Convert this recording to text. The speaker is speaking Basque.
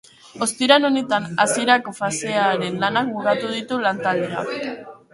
Ostiral honetan hasierako fasearen lanak bukatu ditu lantaldeak.